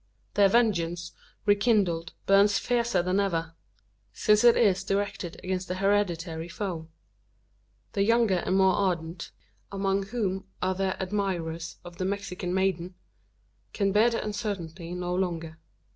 Their vengeance, rekindled, burns fiercer than ever since it is directed against the hereditary foe. The younger and more ardent among whom are the admirers of the Mexican maiden can bear the uncertainty no longer.